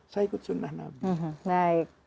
saya ikut sunnah nabi